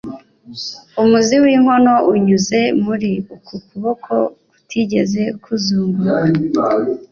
umuzi w'inkono unyuze muri uku kuboko kutigeze kuzunguruka